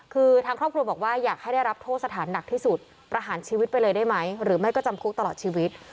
คือทางครอบครัวบอกว่าอยากให้ได้รับโทษสถานหนักที่สุดประหารชีวิตไปเลยได้ไหมหรือไม่ก็จำคุกตลอดชีวิต